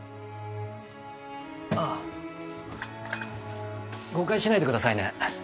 あぁ誤解しないでくださいね。